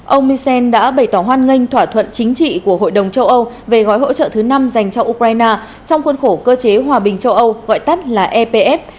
ông misen đã bày tỏ hoan nghênh thỏa thuận chính trị của hội đồng châu âu về gói hỗ trợ thứ năm dành cho ukraine trong khuôn khổ cơ chế hòa bình châu âu gọi tắt là epf